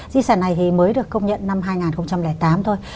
di sản này thì mới được công nhận năm hai nghìn tám thôi